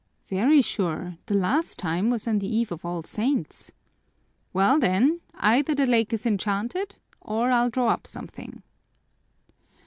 "Very sure! The last time was on the eve of All Saints." "Well then, either the lake is enchanted or I'll draw up something."